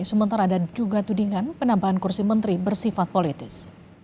sementara ada juga tudingan penambahan kursi menteri bersifat politis